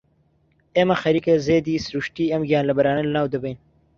ئێمە خەریکە زێدی سروشتیی ئەم گیانلەبەرانە لەناو دەبەین.